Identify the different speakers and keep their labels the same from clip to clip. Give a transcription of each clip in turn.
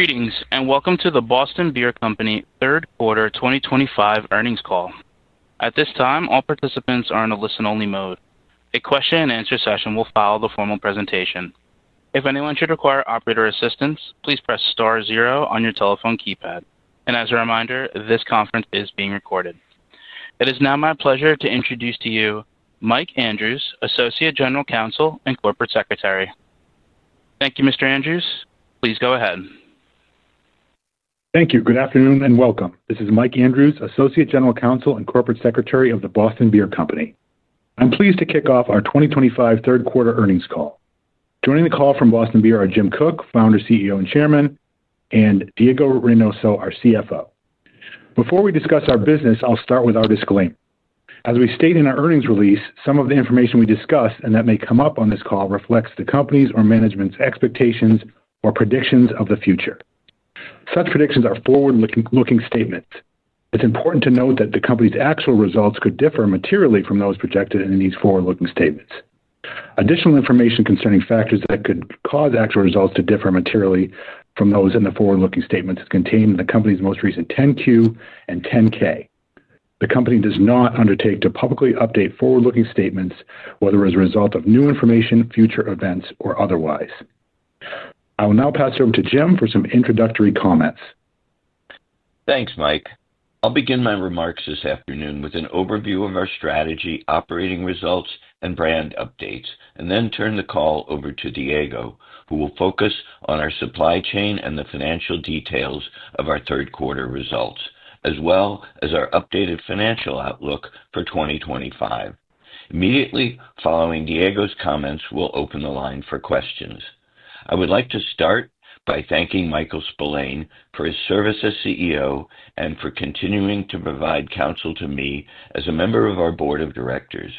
Speaker 1: Greetings, and welcome to The Boston Beer Company third quarter 2025 earnings call. At this time, all participants are in a listen-only mode. A question and answer session will follow the formal presentation. If anyone should require operator assistance, please press star zero on your telephone keypad. As a reminder, this conference is being recorded. It is now my pleasure to introduce to you Mike Andrews, Associate General Counsel and Corporate Secretary. Thank you, Mr. Andrews. Please go ahead.
Speaker 2: Thank you. Good afternoon and welcome. This is Mike Andrews, Associate General Counsel and Corporate Secretary of The Boston Beer Company. I'm pleased to kick off our 2025 third quarter earnings call. Joining the call from Boston Beer are Jim Koch, Founder, CEO, and Chairman, and Diego Reynoso, our CFO. Before we discuss our business, I'll start with our disclaimer. As we state in our earnings release, some of the information we discuss and that may come up on this call reflects the company's or management's expectations or predictions of the future. Such predictions are forward-looking statements. It's important to note that the company's actual results could differ materially from those projected in these forward-looking statements. Additional information concerning factors that could cause actual results to differ materially from those in the forward-looking statements is contained in the company's most recent 10-Q and 10-K. The company does not undertake to publicly update forward-looking statements whether as a result of new information, future events, or otherwise. I will now pass it over to Jim for some introductory comments.
Speaker 3: Thanks, Mike. I'll begin my remarks this afternoon with an overview of our strategy, operating results, and brand updates, and then turn the call over to Diego, who will focus on our supply chain and the financial details of our third quarter results, as well as our updated financial outlook for 2025. Immediately following Diego's comments, we'll open the line for questions. I would like to start by thanking Michael Spillane for his service as CEO and for continuing to provide counsel to me as a member of our Board of Directors.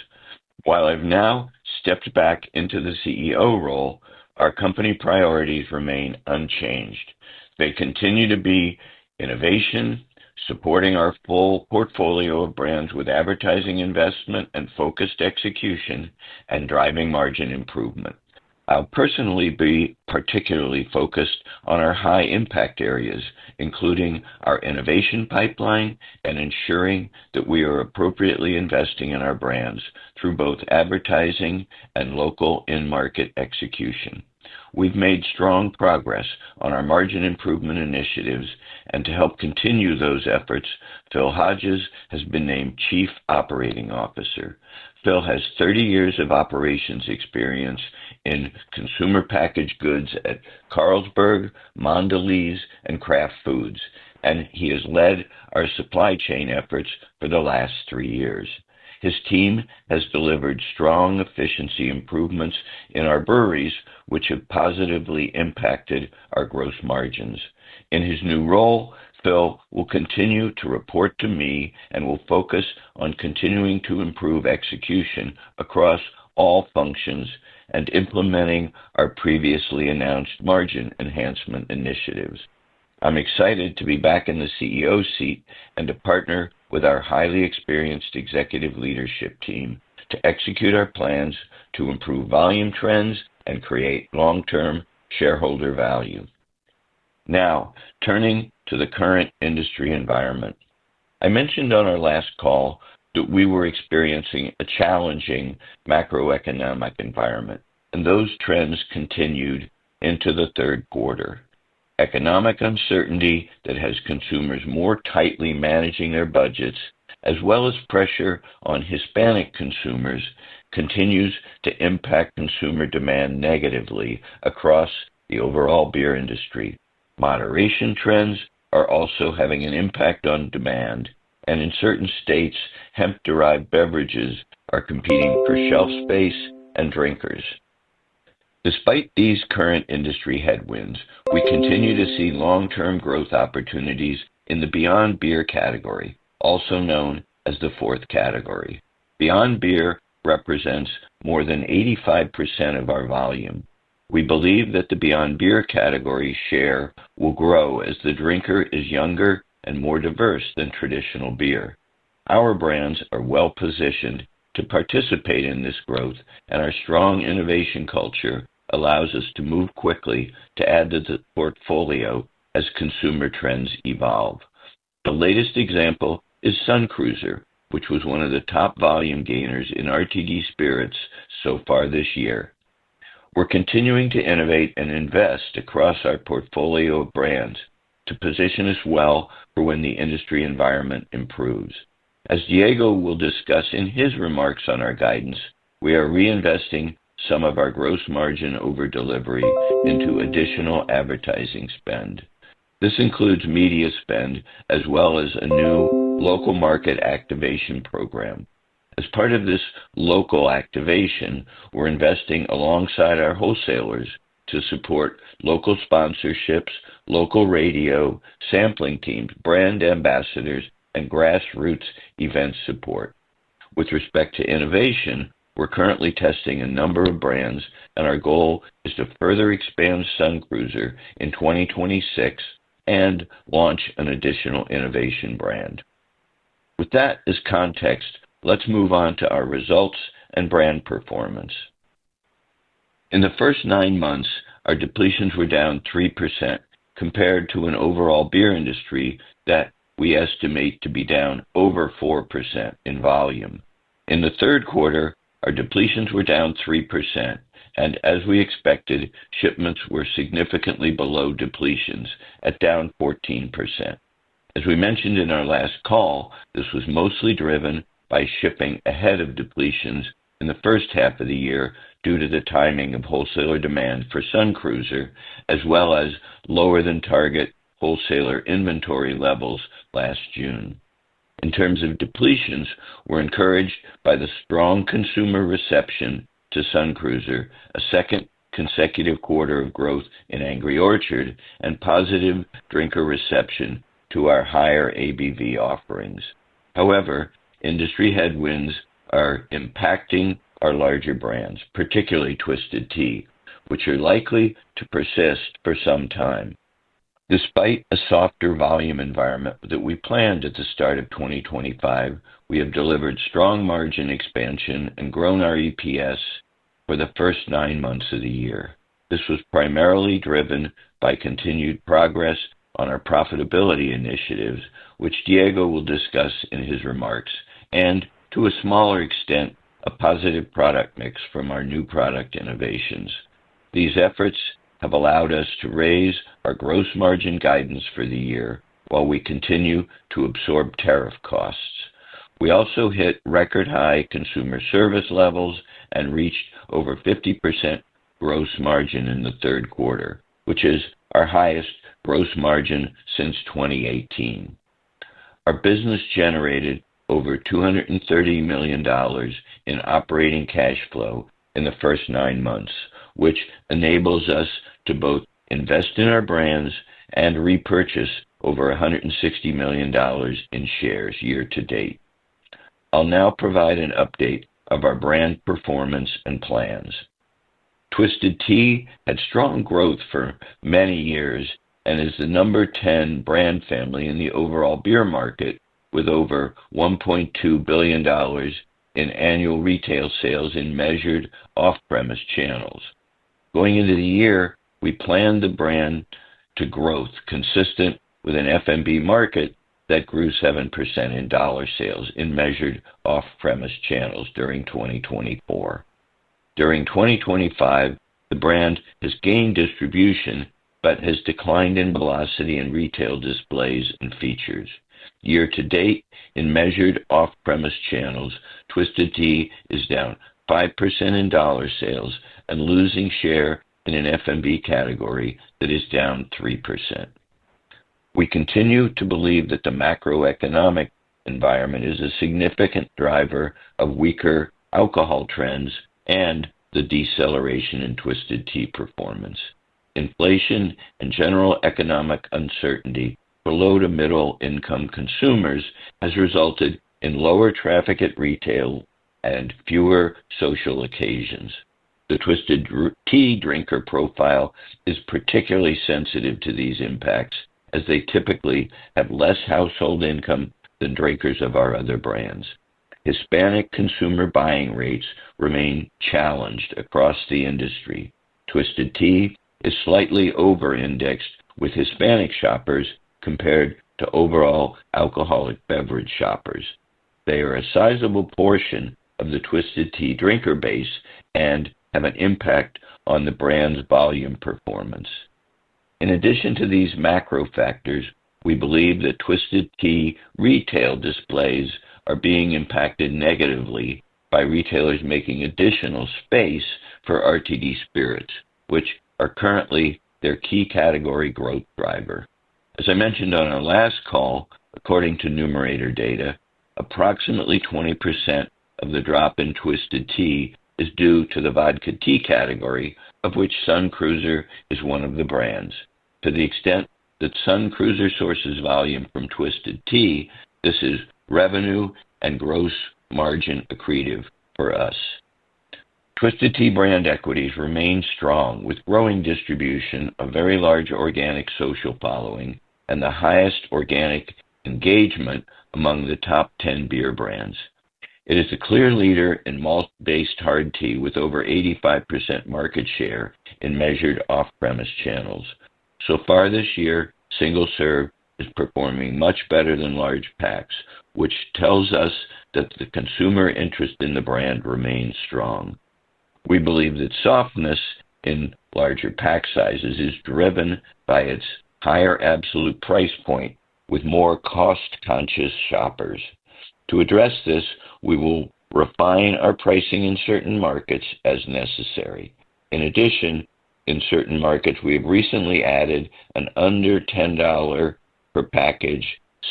Speaker 3: While I've now stepped back into the CEO role, our company priorities remain unchanged. They continue to be innovation, supporting our full portfolio of brands with advertising investment and focused execution, and driving margin improvement. I'll personally be particularly focused on our high-impact areas, including our innovation pipeline and ensuring that we are appropriately investing in our brands through both advertising and local in-market execution. We've made strong progress on our margin improvement initiatives, and to help continue those efforts, Phil Hodges has been named Chief Operating Officer. Phil has 30 years of operations experience in consumer packaged goods at Carlsberg, Mondelez, and Kraft Foods, and he has led our supply chain efforts for the last three years. His team has delivered strong efficiency improvements in our breweries, which have positively impacted our gross margins. In his new role, Phil will continue to report to me and will focus on continuing to improve execution across all functions and implementing our previously announced margin enhancement initiatives. I'm excited to be back in the CEO seat and to partner with our highly experienced executive leadership team to execute our plans to improve volume trends and create long-term shareholder value. Now, turning to the current industry environment, I mentioned on our last call that we were experiencing a challenging macroeconomic environment, and those trends continued into the third quarter. Economic uncertainty that has consumers more tightly managing their budgets, as well as pressure on Hispanic consumers, continues to impact consumer demand negatively across the overall beer industry. Moderation trends are also having an impact on demand, and in certain states, hemp-derived beverages are competing for shelf space and drinkers. Despite these current industry headwinds, we continue to see long-term growth opportunities in the Beyond Beer category, also known as the Fourth Category. Beyond Beer represents more than 85% of our volume. We believe that the Beyond Beer category share will grow as the drinker is younger and more diverse than traditional beer. Our brands are well-positioned to participate in this growth, and our strong innovation culture allows us to move quickly to add to the portfolio as consumer trends evolve. The latest example is Sun Cruiser, which was one of the top volume gainers in RTD Spirits so far this year. We're continuing to innovate and invest across our portfolio of brands to position us well for when the industry environment improves. As Diego will discuss in his remarks on our guidance, we are reinvesting some of our gross margin over delivery into additional advertising spend. This includes media spend, as well as a new local market activation program. As part of this local activation, we're investing alongside our wholesalers to support local sponsorships, local radio, sampling teams, brand ambassadors, and grassroots event support. With respect to innovation, we're currently testing a number of brands, and our goal is to further expand Sun Cruiser in 2026 and launch an additional innovation brand. With that as context, let's move on to our results and brand performance. In the first nine months, our depletions were down 3% compared to an overall beer industry that we estimate to be down over 4% in volume. In the third quarter, our depletions were down 3%, and as we expected, shipments were significantly below depletions at down 14%. As we mentioned in our last call, this was mostly driven by shipping ahead of depletions in the first half of the year due to the timing of wholesaler demand for Sun Cruiser, as well as lower-than-target wholesaler inventory levels last June. In terms of depletions, we're encouraged by the strong consumer reception to Sun Cruiser, a second consecutive quarter of growth in Angry Orchard, and positive drinker reception to our higher ABV offerings. However, industry headwinds are impacting our larger brands, particularly Twisted Tea, which are likely to persist for some time. Despite a softer volume environment that we planned at the start of 2025, we have delivered strong margin expansion and grown our EPS for the first nine months of the year. This was primarily driven by continued progress on our profitability initiatives, which Diego will discuss in his remarks, and to a smaller extent, a positive product mix from our new product innovations. These efforts have allowed us to raise our gross margin guidance for the year while we continue to absorb tariff costs. We also hit record-high consumer service levels and reached over 50% gross margin in the third quarter, which is our highest gross margin since 2018. Our business generated over $230 million in operating cash flow in the first nine months, which enables us to both invest in our brands and repurchase over $160 million in shares year to date. I'll now provide an update of our brand performance and plans. Twisted Tea had strong growth for many years and is the number 10 brand family in the overall beer market, with over $1.2 billion in annual retail sales in measured off-premise channels. Going into the year, we planned the brand to grow, consistent with an F&B market that grew 7% in dollar sales in measured off-premise channels during 2024. During 2024, the brand has gained distribution but has declined in velocity in retail displays and features. Year to date, in measured off-premise channels, Twisted Tea is down 5% in dollar sales and losing share in an F&B Category that is down 3%. We continue to believe that the macroeconomic environment is a significant driver of weaker alcohol trends and the deceleration in Twisted Tea performance. Inflation and general economic uncertainty for low to middle-income consumers has resulted in lower traffic at retail and fewer social occasions. The Twisted Tea drinker profile is particularly sensitive to these impacts, as they typically have less household income than drinkers of our other brands. Hispanic consumer buying rates remain challenged across the industry. Twisted Tea is slightly over-indexed with Hispanic shoppers compared to overall alcoholic beverage shoppers. They are a sizable portion of the Twisted Tea drinker base and have an impact on the brand's volume performance. In addition to these macro factors, we believe that Twisted Tea retail displays are being impacted negatively by retailers making additional space for RTD Spirits, which are currently their key category growth driver. As I mentioned on our last call, according to Numerator data, approximately 20% of the drop in Twisted Tea is due to the vodka tea category, of which Sun Cruiser is one of the brands. To the extent that Sun Cruiser sources volume from Twisted Tea, this is revenue and gross margin accretive for us. Twisted Tea brand equities remain strong, with growing distribution, a very large organic social following, and the highest organic engagement among the top 10 beer brands. It is a clear leader in malt-based hard tea with over 85% market share in measured off-premise channels. So far this year, single serve is performing much better than large packs, which tells us that the consumer interest in the brand remains strong. We believe that softness in larger pack sizes is driven by its higher absolute price point with more cost-conscious shoppers. To address this, we will refine our pricing in certain markets as necessary. In addition, in certain markets, we have recently added an under $10 per package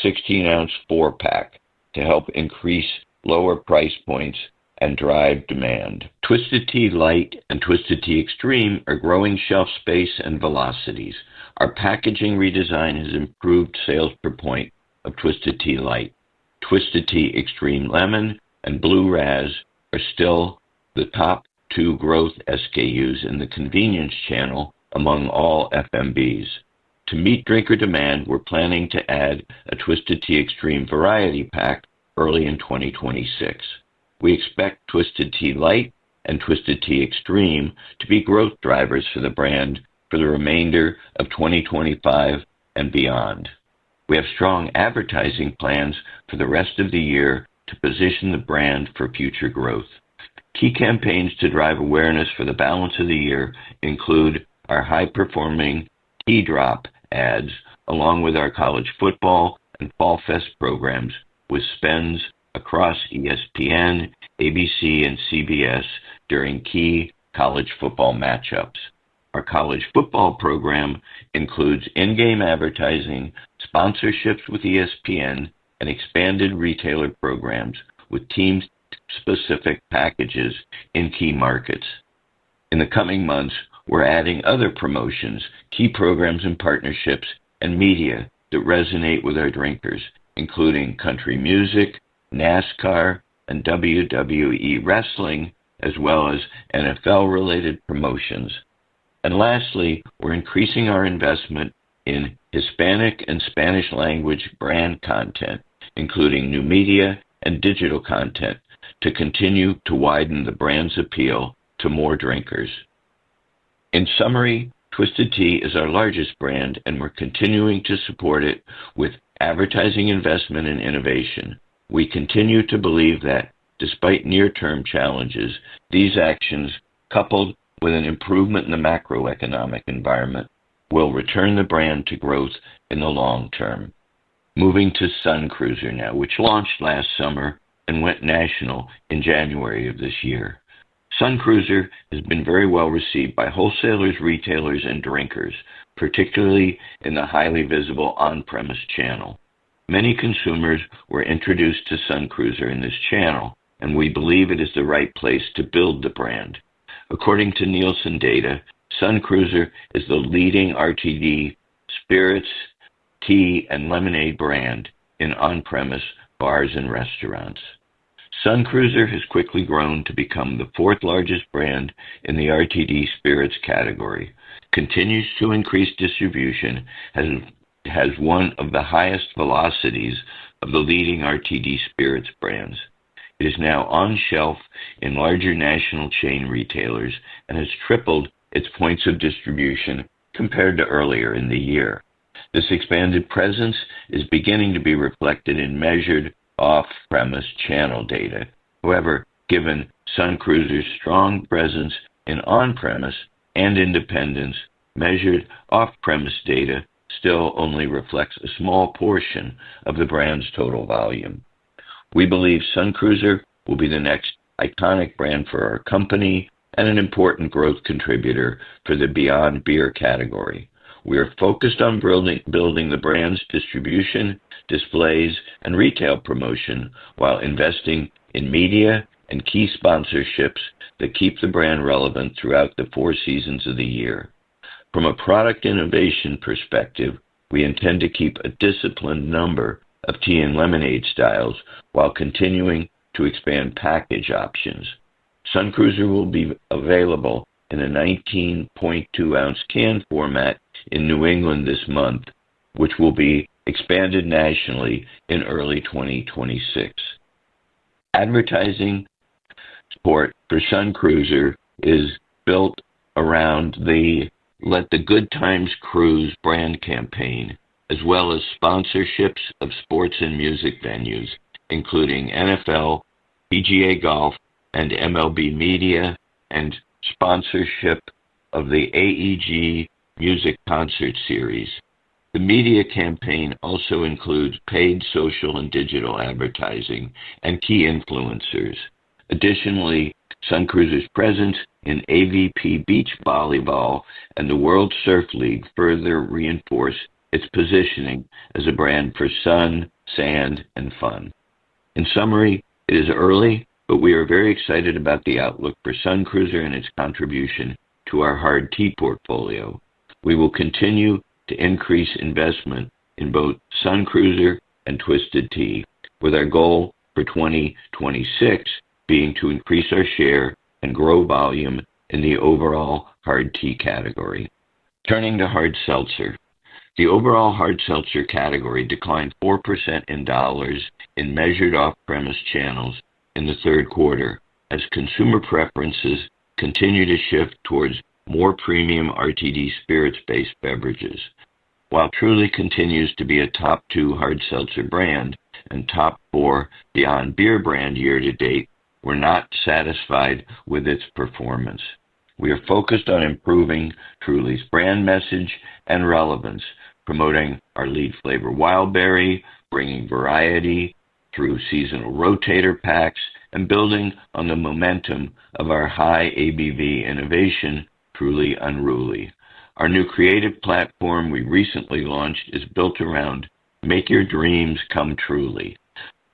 Speaker 3: 16-ounce four-pack to help increase lower price points and drive demand. Twisted Tea Light and Twisted Tea Extreme are growing shelf space and velocities. Our packaging redesign has improved sales per point of Twisted Tea Light. Twisted Tea Extreme Lemon and Blue Raz are still the top two growth SKUs in the convenience channel among all F&Bs. To meet drinker demand, we're planning to add a Twisted Tea Extreme variety pack early in 2026. We expect Twisted Tea Light and Twisted Tea Extreme to be growth drivers for the brand for the remainder of 2025 and beyond. We have strong advertising plans for the rest of the year to position the brand for future growth. Key campaigns to drive awareness for the balance of the year include our high-performing tea drop ads, along with our college football and fall fest programs, with spends across ESPN, ABC, and CBS during key college football matchups. Our college football program includes in-game advertising, sponsorships with ESPN, and expanded retailer programs with team-specific packages in key markets. In the coming months, we're adding other promotions, key programs and partnerships, and media that resonate with our drinkers, including country music, NASCAR, and WWE wrestling, as well as NFL-related promotions. Lastly, we're increasing our investment in Hispanic and Spanish-language brand content, including new media and digital content, to continue to widen the brand's appeal to more drinkers. In summary, Twisted Tea is our largest brand, and we're continuing to support it with advertising investment and innovation. We continue to believe that despite near-term challenges, these actions, coupled with an improvement in the macroeconomic environment, will return the brand to growth in the long term. Moving to Sun Cruiser now, which launched last summer and went national in January of this year. Sun Cruiser has been very well received by wholesalers, retailers, and drinkers, particularly in the highly visible on-premise channel. Many consumers were introduced to Sun Cruiser in this channel, and we believe it is the right place to build the brand. According to Nielsen data, Sun Cruiser is the leading RTD Spirits, tea, and lemonade brand in on-premise bars and restaurants. Sun Cruiser has quickly grown to become the fourth largest brand in the RTD Spirits category, continues to increase distribution, and has one of the highest velocities of the leading RTD Spirits brands. It is now on shelf in larger national chain retailers and has tripled its points of distribution compared to earlier in the year. This expanded presence is beginning to be reflected in measured off-premise channel data. However, given Sun Cruiser's strong presence in on-premise and independence, measured off-premise data still only reflects a small portion of the brand's total volume. We believe Sun Cruiser will be the next iconic brand for our company and an important growth contributor for the Beyond Beer category. We are focused on building the brand's distribution, displays, and retail promotion while investing in media and key sponsorships that keep the brand relevant throughout the four seasons of the year. From a product innovation perspective, we intend to keep a disciplined number of tea and lemonade styles while continuing to expand package options. Sun Cruiser will be available in a 19.2-ounce can format in New England this month, which will be expanded nationally in early 2026. Advertising support for Sun Cruiser is built around the "Let the Good Times Cruise" brand campaign, as well as sponsorships of sports and music venues, including NFL, PGA Golf, and MLB Media, and sponsorship of the AEG Music Concert Series. The media campaign also includes paid social and digital advertising and key influencers. Additionally, Sun Cruiser's presence in AVP Beach Volleyball and the World Surf League further reinforce its positioning as a brand for sun, sand, and fun. In summary, it is early, but we are very excited about the outlook for Sun Cruiser and its contribution to our hard tea portfolio. We will continue to increase investment in both Sun Cruiser and Twisted Tea, with our goal for 2026 being to increase our share and grow volume in the overall hard tea category. Turning to hard seltzer, the overall hard seltzer category declined 4% in dollars in measured off-premise channels in the third quarter, as consumer preferences continue to shift towards more premium RTD Spirits-based beverages. While Truly continues to be a top two hard seltzer brand and top four Beyond Beer brand year to date, we're not satisfied with its performance. We are focused on improving Truly's brand message and relevance, promoting our lead flavor Wildberry, bringing variety through seasonal rotator packs, and building on the momentum of our high ABV innovation, Truly Unruly. Our new creative platform we recently launched is built around "Make Your Dreams Come Truly."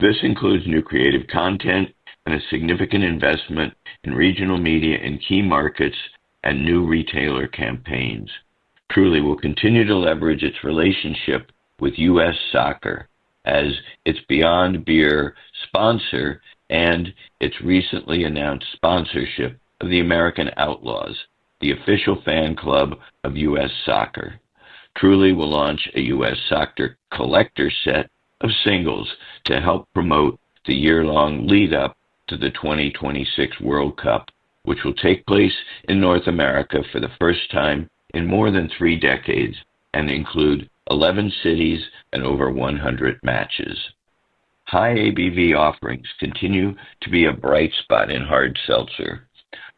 Speaker 3: This includes new creative content and a significant investment in regional media in key markets and new retailer campaigns. Truly will continue to leverage its relationship with U.S. Soccer as its Beyond Beer sponsor and its recently announced sponsorship of the American Outlaws, the official fan club of U.S. Soccer. Truly will launch a U.S. Soccer collector set of singles to help promote the year-long lead-up to the 2026 World Cup, which will take place in North America for the first time in more than three decades and include 11 cities and over 100 matches. High ABV offerings continue to be a bright spot in hard seltzer.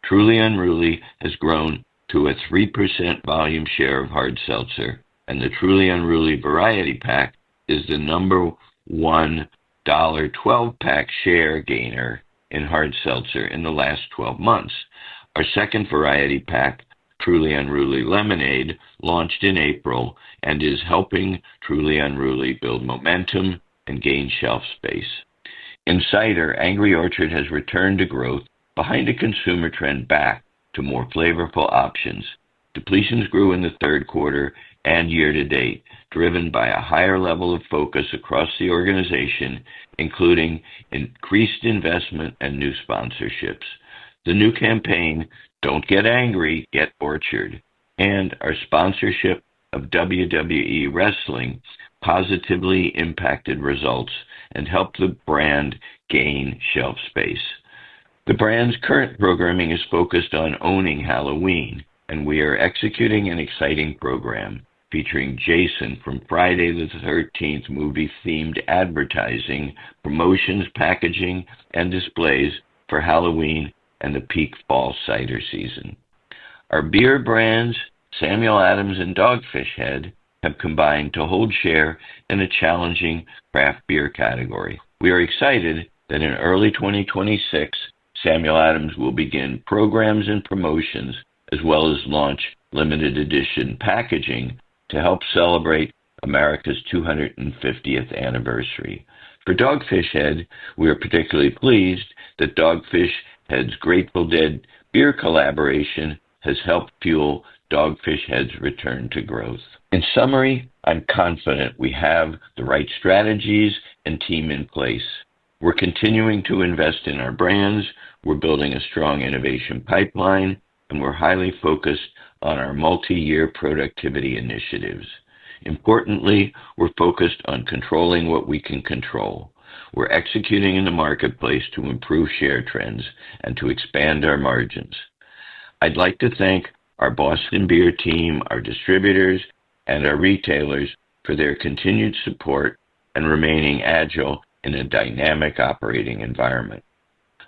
Speaker 3: Truly Unruly has grown to a 3% volume share of hard seltzer, and the Truly Unruly variety pack is the number one dollar 12-pack share gainer in hard seltzer in the last 12 months. Our second variety pack, Truly Unruly Lemonade, launched in April and is helping Truly Unruly build momentum and gain shelf space. Inside, Angry Orchard has returned to growth behind a consumer trend back to more flavorful options. Depletions grew in the third quarter and year to date, driven by a higher level of focus across the organization, including increased investment and new sponsorships. The new campaign, "Don't Get Angry, Get Orchard," and our sponsorship of WWE Wrestling positively impacted results and helped the brand gain shelf space. The brand's current programming is focused on owning Halloween, and we are executing an exciting program featuring Jason from Friday the 13th movie-themed advertising, promotions, packaging, and displays for Halloween and the peak fall cider season. Our beer brands, Samuel Adams and Dogfish Head, have combined to hold share in a challenging craft beer category. We are excited that in early 2026, Samuel Adams will begin programs and promotions, as well as launch limited edition packaging to help celebrate America's 250th anniversary. For Dogfish Head, we are particularly pleased that Dogfish Head's Grateful Dead beer collaboration has helped fuel Dogfish Head's return to growth. In summary, I'm confident we have the right strategies and team in place. We're continuing to invest in our brands, we're building a strong innovation pipeline, and we're highly focused on our multi-year productivity initiatives. Importantly, we're focused on controlling what we can control. We're executing in the marketplace to improve share trends and to expand our margins. I'd like to thank our Boston Beer team, our distributors, and our retailers for their continued support and remaining agile in a dynamic operating environment.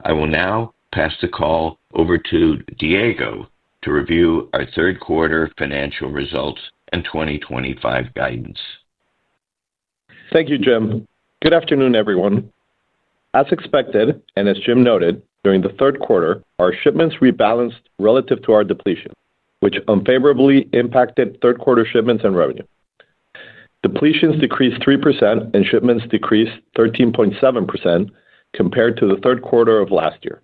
Speaker 3: I will now pass the call over to Diego to review our third quarter financial results and 2025 guidance.
Speaker 4: Thank you, Jim. Good afternoon, everyone. As expected, and as Jim noted, during the third quarter, our shipments rebalanced relative to our depletions, which unfavorably impacted third quarter shipments and revenue. Depletions decreased 3% and shipments decreased 13.7% compared to the third quarter of last year,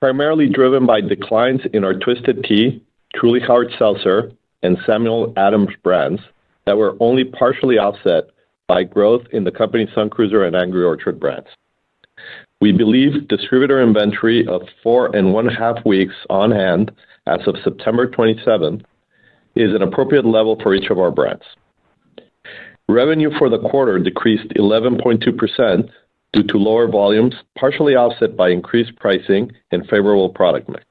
Speaker 4: primarily driven by declines in our Twisted Tea, Truly Hard Seltzer, and Samuel Adams brands that were only partially offset by growth in the company Sun Cruiser and Angry Orchard brands. We believe distributor inventory of four and one-half weeks on hand as of September 27th is an appropriate level for each of our brands. Revenue for the quarter decreased 11.2% due to lower volumes, partially offset by increased pricing and favorable product mix.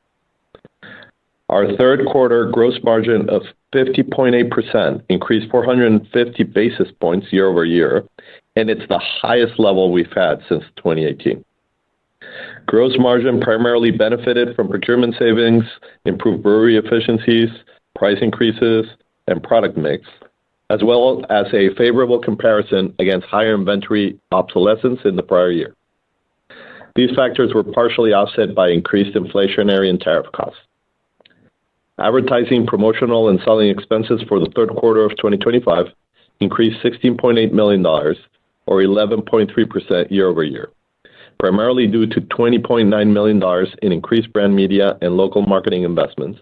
Speaker 4: Our third quarter gross margin of 50.8% increased 450 basis points year-over-year, and it's the highest level we've had since 2018. Gross margin primarily benefited from procurement savings, improved brewery efficiencies, price increases, and product mix, as well as a favorable comparison against higher inventory obsolescence in the prior year. These factors were partially offset by increased inflationary and tariff costs. Advertising, promotional, and selling expenses for the third quarter of 2025 increased $16.8 million, or 11.3% year-over-year, primarily due to $20.9 million in increased brand media and local marketing investments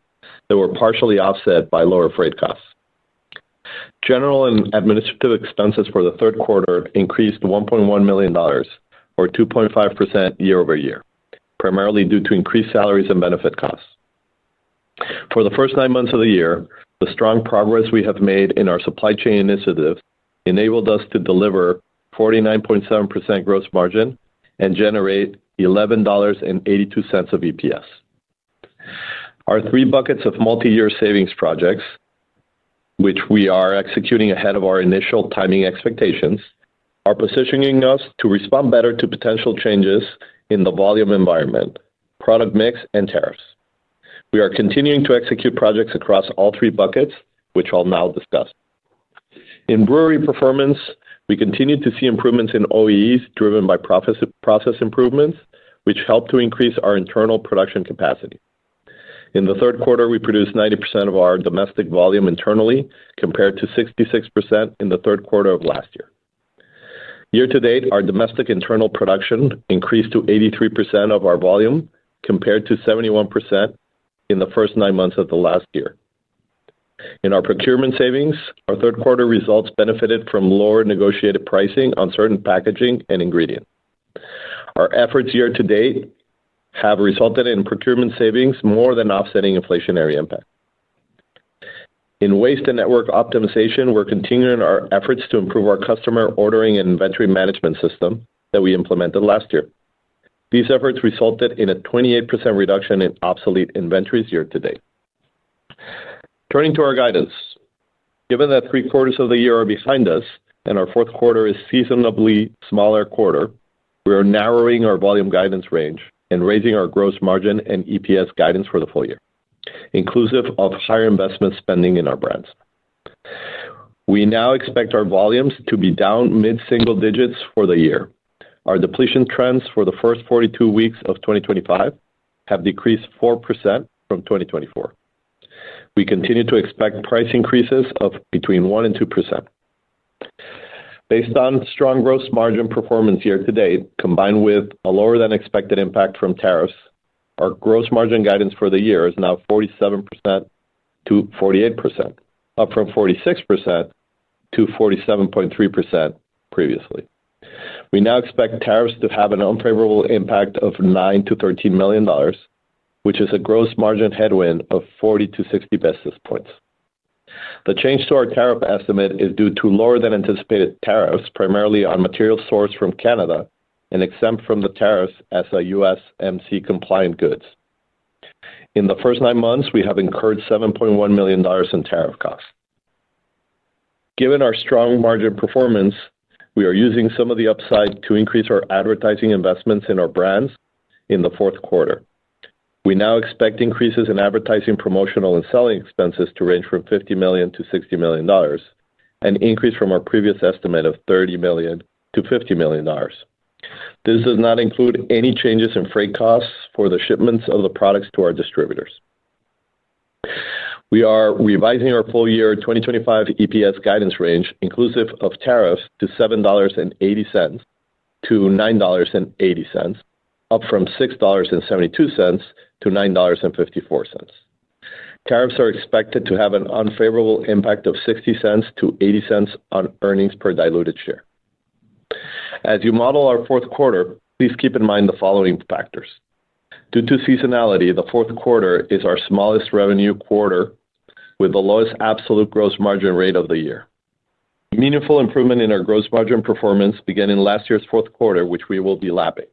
Speaker 4: that were partially offset by lower freight costs. General and administrative expenses for the third quarter increased $1.1 million, or 2.5% year-over-year, primarily due to increased salaries and benefit costs. For the first nine months of the year, the strong progress we have made in our supply chain initiatives enabled us to deliver 49.7% gross margin and generate $11.82 of EPS. Our three buckets of multi-year savings projects, which we are executing ahead of our initial timing expectations, are positioning us to respond better to potential changes in the volume environment, product mix, and tariffs. We are continuing to execute projects across all three buckets, which I'll now discuss. In brewery performance, we continue to see improvements in OEEs driven by process improvements, which help to increase our internal production capacity. In the third quarter, we produced 90% of our domestic volume internally compared to 66% in the third quarter of last year. Year to date, our domestic internal production increased to 83% of our volume compared to 71% in the first nine months of last year. In our procurement savings, our third quarter results benefited from lower negotiated pricing on certain packaging and ingredients. Our efforts year to date have resulted in procurement savings more than offsetting inflationary impact. In waste and network optimization, we're continuing our efforts to improve our customer ordering and inventory management system that we implemented last year. These efforts resulted in a 28% reduction in obsolete inventories year to date. Turning to our guidance, given that three quarters of the year are behind us and our fourth quarter is a seasonably smaller quarter, we are narrowing our volume guidance range and raising our gross margin and EPS guidance for the full year, inclusive of higher investment spending in our brands. We now expect our volumes to be down mid-single digits for the year. Our depletion trends for the first 42 weeks of 2025 have decreased 4% from 2024. We continue to expect price increases of between 1% and 2%. Based on strong gross margin performance year to date, combined with a lower than expected impact from tariffs, our gross margin guidance for the year is now 47%-48%, up from 46%-47.3% previously. We now expect tariffs to have an unfavorable impact of $9 million-$13 million, which is a gross margin headwind of 40-60 basis points. The change to our tariff estimate is due to lower than anticipated tariffs, primarily on materials sourced from Canada and exempt from the tariffs as USMCA compliant goods. In the first nine months, we have incurred $7.1 million in tariff costs. Given our strong margin performance, we are using some of the upside to increase our advertising investments in our brands in the fourth quarter. We now expect increases in advertising, promotional, and selling expenses to range from $50 million-$60 million, an increase from our previous estimate of $30 million-$50 million. This does not include any changes in freight costs for the shipments of the products to our distributors. We are revising our full year 2025 EPS guidance range, inclusive of tariffs, to $7.80-$9.80, up from $6.72-$9.54. Tariffs are expected to have an unfavorable impact of $0.60-$0.80 on earnings per diluted share. As you model our fourth quarter, please keep in mind the following factors. Due to seasonality, the fourth quarter is our smallest revenue quarter with the lowest absolute gross margin rate of the year. Meaningful improvement in our gross margin performance began in last year's fourth quarter, which we will be lapping.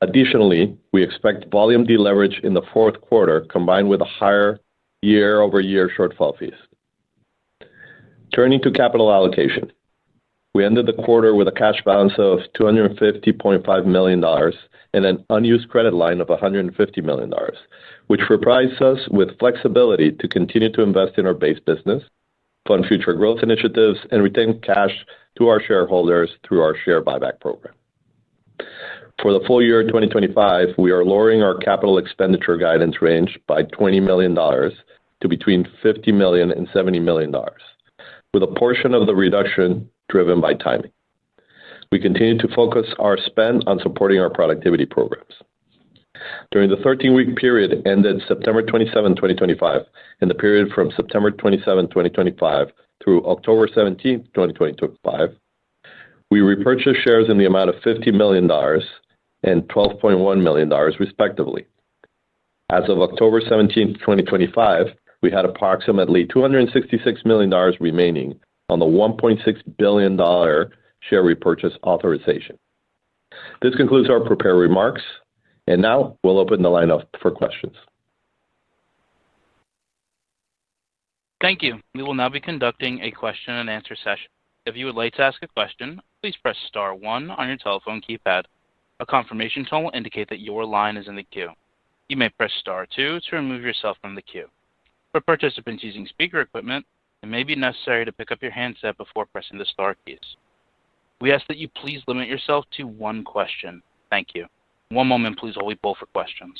Speaker 4: Additionally, we expect volume deleverage in the fourth quarter combined with higher year-over-year shortfall fees. Turning to capital allocation, we ended the quarter with a cash balance of $250.5 million and an unused credit line of $150 million, which provides us with flexibility to continue to invest in our base business, fund future growth initiatives, and return cash to our shareholders through our share buyback program. For the full year 2025, we are lowering our capital expenditure guidance range by $20 million to between $50 million and $70 million, with a portion of the reduction driven by timing. We continue to focus our spend on supporting our productivity programs. During the 13-week period ended September 27, 2025, and the period from September 27, 2025 through October 17, 2025, we repurchased shares in the amount of $50 million and $12.1 million, respectively. As of October 17, 2025, we had approximately $266 million remaining on the $1.6 billion share repurchase authorization. This concludes our prepared remarks, and now we'll open the line up for questions.
Speaker 1: Thank you. We will now be conducting a question and answer session. If you would like to ask a question, please press star one on your telephone keypad. A confirmation tone will indicate that your line is in the queue. You may press star two to remove yourself from the queue. For participants using speaker equipment, it may be necessary to pick up your handset before pressing the star keys. We ask that you please limit yourself to one question. Thank you. One moment, please. We'll wait for questions.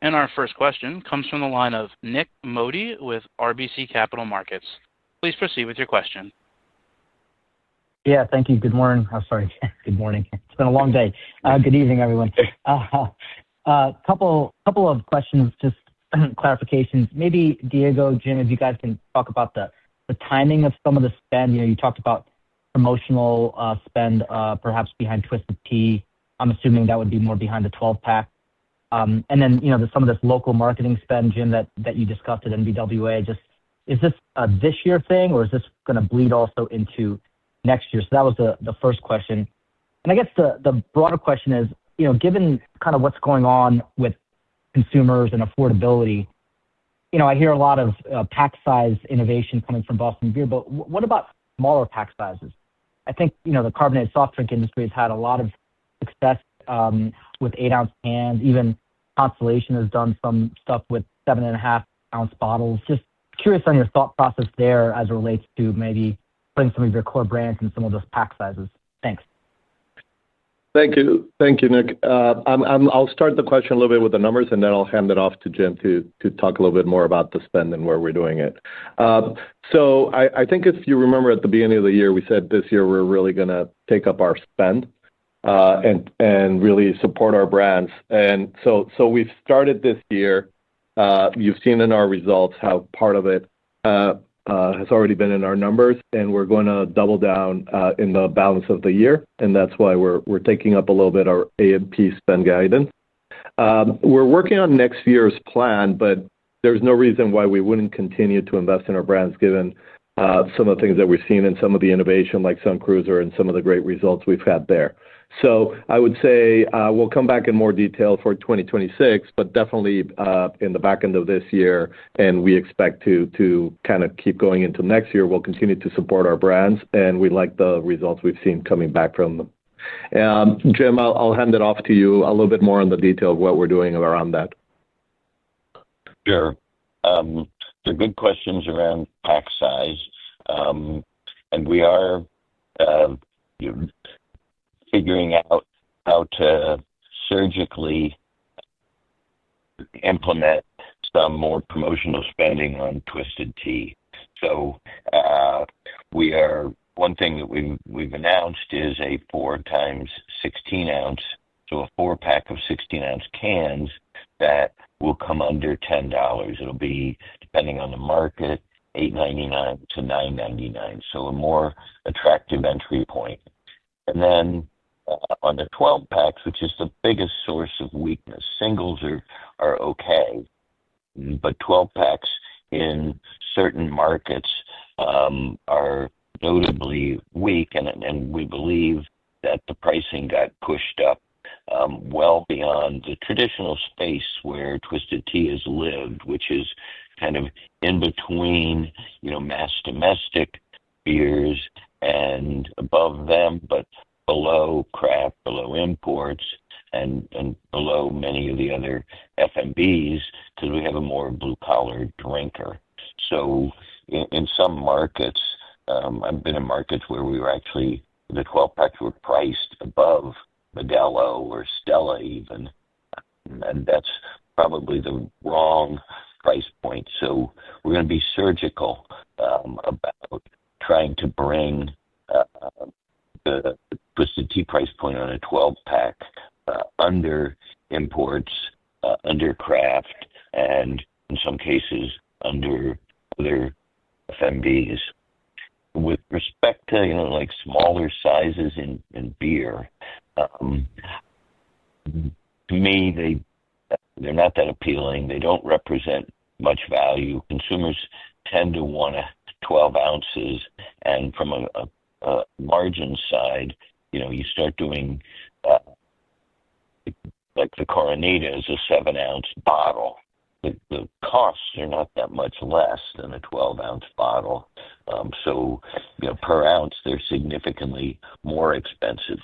Speaker 1: Our first question comes from the line of Nik Modi with RBC Capital Markets. Please proceed with your question.
Speaker 5: Thank you. Good morning. I'm sorry. Good morning. It's been a long day. Good evening, everyone. A couple of questions, just clarifications. Maybe Diego, Jim, if you guys can talk about the timing of some of the spend. You talked about promotional spend, perhaps behind Twisted Tea. I'm assuming that would be more behind the 12-pack. Some of this local marketing spend, Jim, that you discussed at NBWA, is this a this year thing, or is this going to bleed also into next year? That was the first question. I guess the broader question is, given kind of what's going on with consumers and affordability, I hear a lot of pack size innovation coming from Boston Beer, but what about smaller pack sizes? I think the carbonated soft drink industry has had a lot of success with eight-ounce cans. Even Constellation has done some stuff with seven and a half-ounce bottles. Just curious on your thought process there as it relates to maybe putting some of your core brands in some of those pack sizes. Thanks.
Speaker 4: Thank you. Thank you, Nik. I'll start the question a little bit with the numbers, and then I'll hand it off to Jim to talk a little bit more about the spend and where we're doing it. I think if you remember at the beginning of the year, we said this year we're really going to take up our spend and really support our brands. We've started this year. You've seen in our results how part of it has already been in our numbers, and we're going to double down in the balance of the year. That's why we're taking up a little bit of our AMP spend guidance. We're working on next year's plan, but there's no reason why we wouldn't continue to invest in our brands given some of the things that we've seen and some of the innovation like Sun Cruiser and some of the great results we've had there. I would say we'll come back in more detail for 2026, but definitely in the back end of this year, and we expect to kind of keep going into next year. We'll continue to support our brands, and we like the results we've seen coming back from them. Jim, I'll hand it off to you a little bit more on the detail of what we're doing around that.
Speaker 3: Sure. The good questions around pack size, and we are figuring out how to surgically implement some more promotional spending on Twisted Tea. We are one thing that we've announced is a four times 16-ounce, so a four-pack of 16-ounce cans that will come under $10. It'll be, depending on the market, $8.99-$9.99, so a more attractive entry point. On the 12-packs, which is the biggest source of weakness, singles are okay, but 12-packs in certain markets are notably weak, and we believe that the pricing got pushed up well beyond the traditional space where Twisted Tea has lived, which is kind of in between, you know, mass domestic beers and above them, but below craft, below imports, and below many of the other F&Bs because we have a more blue-collar drinker. In some markets, I've been in markets where we were actually, the 12-packs were priced above Modelo or Stella even. That's probably the wrong price point. We are going to be surgical about trying to bring the Twisted Tea price point on a 12-pack under imports, under craft, and in some cases, under other F&Bs. With respect to, you know, like smaller sizes in beer, to me, they're not that appealing. They don't represent much value. Consumers tend to want 12 ounces, and from a margin side, you know, you start doing like the Coronita is a 7-ounce bottle. The costs are not that much less than a 12-ounce bottle. Per ounce, they're significantly more expensive.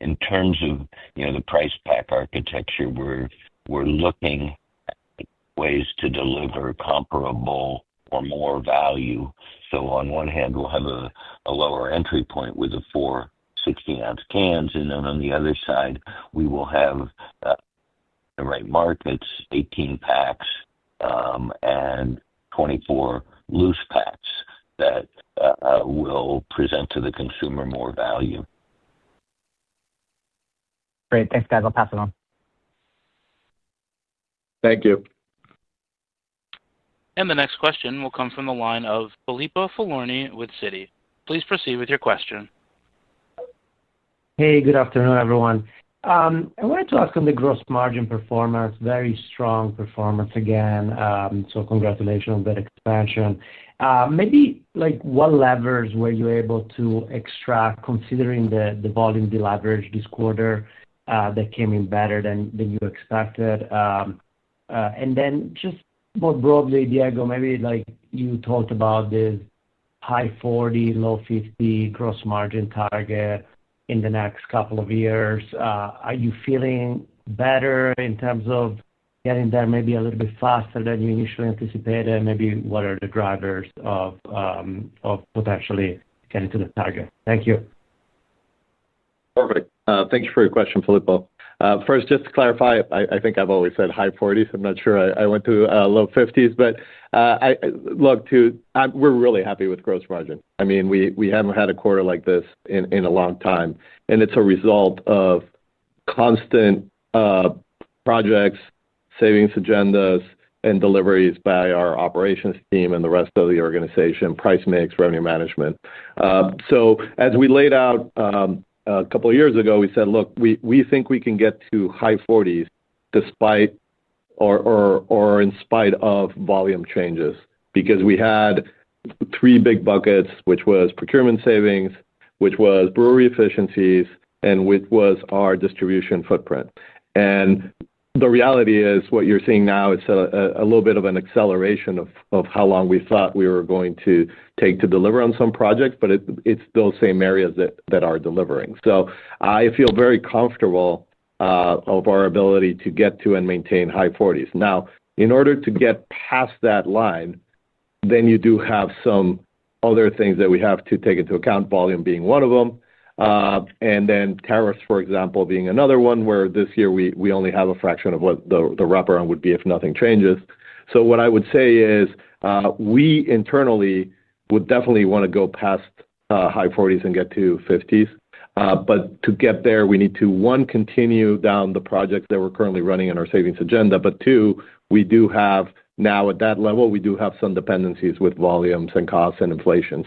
Speaker 3: In terms of, you know, the price pack architecture, we're looking at ways to deliver comparable or more value. On one hand, we'll have a lower entry point with the four 16-ounce cans, and on the other side, we will have the right markets, 18-packs, and 24 loose packs that will present to the consumer more value.
Speaker 5: Great. Thanks, guys. I'll pass it on.
Speaker 4: Thank you.
Speaker 1: The next question will come from the line of Filippo Falorni with Citi. Please proceed with your question.
Speaker 6: Hey, good afternoon, everyone. I wanted to ask on the gross margin performance, very strong performance again, so congratulations on that expansion. Maybe what levers were you able to extract considering the volume deleverage this quarter that came in better than you expected? Just more broadly, Diego, maybe you talked about this high 40, low 50% gross margin target in the next couple of years. Are you feeling better in terms of getting there maybe a little bit faster than you initially anticipated? Maybe what are the drivers of potentially getting to the target? Thank you.
Speaker 4: Perfect. Thanks for your question, Filippo. First, just to clarify, I think I've always said high 40s. I'm not sure I went through low 50s, but I look to, we're really happy with gross margin. I mean, we haven't had a quarter like this in a long time. It's a result of constant projects, savings agendas, and deliveries by our operations team and the rest of the organization, price mix, revenue management. As we laid out a couple of years ago, we said, look, we think we can get to high 40s despite or in spite of volume changes because we had three big buckets, which were procurement savings, brewery efficiencies, and our distribution footprint. The reality is what you're seeing now is a little bit of an acceleration of how long we thought we were going to take to deliver on some projects, but it's those same areas that are delivering. I feel very comfortable of our ability to get to and maintain high 40s. Now, in order to get past that line, you do have some other things that we have to take into account, volume being one of them, and then tariffs, for example, being another one, where this year we only have a fraction of what the wraparound would be if nothing changes. What I would say is, we internally would definitely want to go past high 40s and get to 50s. To get there, we need to, one, continue down the projects that we're currently running in our savings agenda, but two, we do have now at that level, we do have some dependencies with volumes and costs and inflation.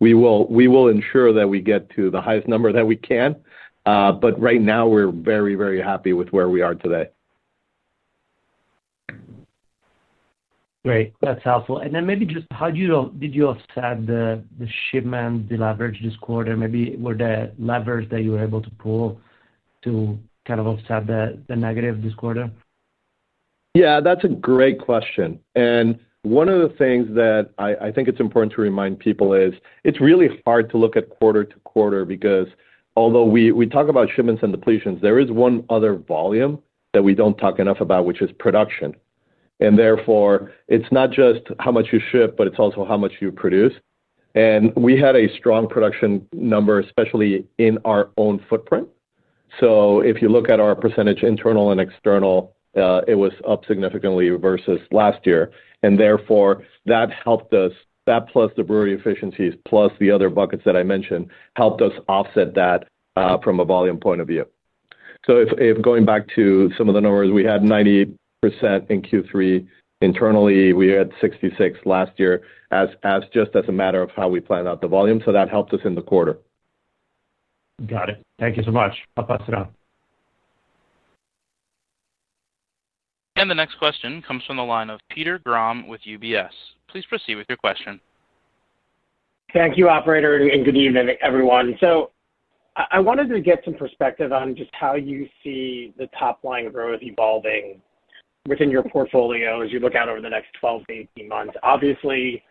Speaker 4: We will ensure that we get to the highest number that we can. Right now, we're very, very happy with where we are today.
Speaker 6: Great. That's helpful. Maybe just how did you offset the shipment deleverage this quarter? Were there levers that you were able to pull to kind of offset the negative this quarter?
Speaker 4: Yeah, that's a great question. One of the things that I think it's important to remind people is it's really hard to look at quarter to quarter because although we talk about shipments and depletions, there is one other volume that we don't talk enough about, which is production. Therefore, it's not just how much you ship, but it's also how much you produce. We had a strong production number, especially in our own footprint. If you look at our percentage internal and external, it was up significantly versus last year. That helped us, that plus the brewery efficiencies, plus the other buckets that I mentioned, helped us offset that from a volume point of view. If going back to some of the numbers, we had 98% in Q3 internally. We had 66% last year just as a matter of how we planned out the volume that helped us in the quarter.
Speaker 6: Got it. Thank you so much. I'll pass it on.
Speaker 1: The next question comes from the line of Peter Grom with UBS. Please proceed with your question.
Speaker 7: Thank you, operator, and good evening, everyone. I wanted to get some perspective on just how you see the top line growth evolving within your portfolio as you look out over the next 12-18 months. Obviously,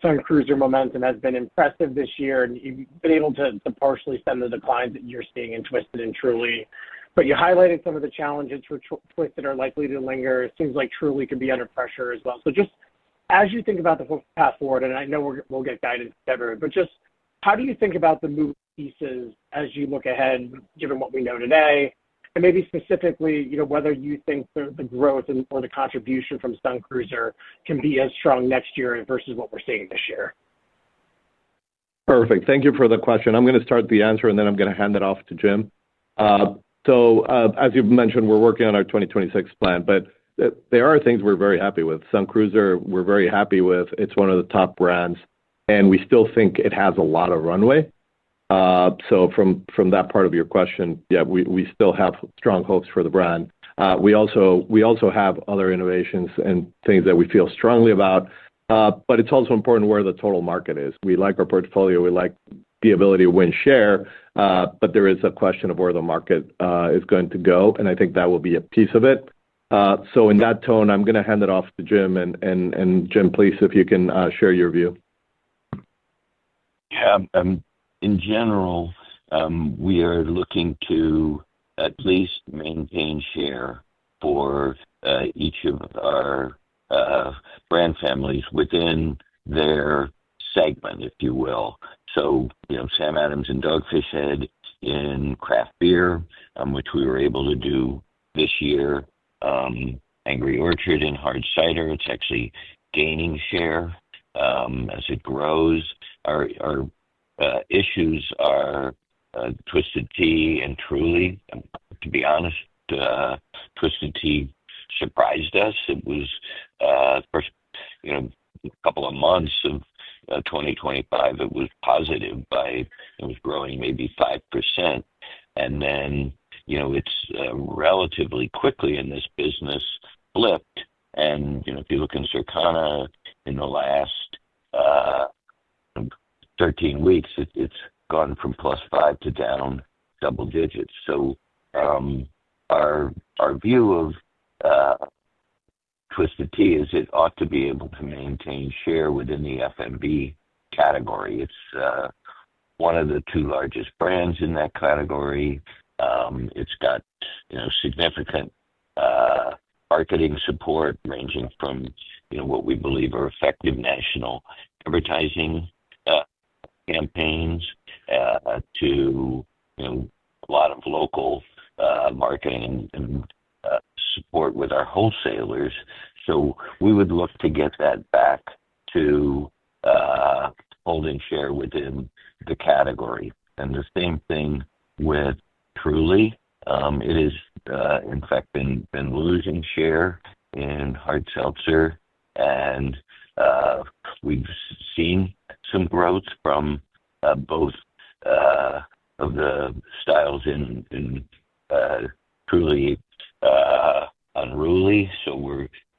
Speaker 7: Sun Cruiser momentum has been impressive this year, and you've been able to partially stem the declines that you're seeing in Twisted Tea and Truly. You highlighted some of the challenges for [Twisted Tea] are likely to linger. It seems like Truly could be under pressure as well. As you think about the path forward, and I know we'll get guidance together, just how do you think about the moving pieces as you look ahead, given what we know today? Maybe specifically, whether you think the growth or the contribution from Sun Cruiser can be as strong next year versus what we're seeing this year.
Speaker 4: Perfect. Thank you for the question. I'm going to start the answer, and then I'm going to hand it off to Jim. As you've mentioned, we're working on our 2026 plan, but there are things we're very happy with. Sun Cruiser, we're very happy with. It's one of the top brands, and we still think it has a lot of runway. From that part of your question, yeah, we still have strong hopes for the brand. We also have other innovations and things that we feel strongly about. It's also important where the total market is. We like our portfolio. We like the ability to win share. There is a question of where the market is going to go, and I think that will be a piece of it. In that tone, I'm going to hand it off to Jim. Jim, please, if you can, share your view.
Speaker 3: Yeah. In general, we are looking to at least maintain share for each of our brand families within their segment, if you will. So, you know, Samuel Adams and Dogfish Head in craft beer, which we were able to do this year. Angry Orchard in Hard Cider, it's actually gaining share as it grows. Our issues are Twisted Tea and Truly. To be honest, Twisted Tea surprised us. It was, you know, a couple of months of 2025, it was positive by, it was growing maybe 5%. Then, you know, it's relatively quickly in this business flipped. If you look in Circana in the last 13 weeks, it's gone from +5 to down double digits. Our view of Twisted Tea is it ought to be able to maintain share within the F&B Category. It's one of the two largest brands in that category. It's got significant marketing support ranging from what we believe are effective national advertising campaigns to a lot of local marketing and support with our wholesalers. We would look to get that back to holding share within the category. The same thing with Truly. It is, in fact, been losing share in Hard Seltzer, and we've seen some growth from both of the styles in Truly Unruly.